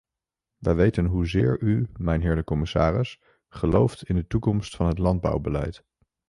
Wij weten hoezeer u, mijnheer de commissaris, gelooft in de toekomst van het landbouwbeleid.